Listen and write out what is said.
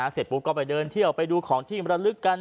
เสร็จปุ๊บก็ไปเดินเที่ยวไปดูของที่มรลึกกัน